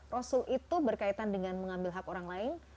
rasul itu berkaitan dengan mengambil hak orang lain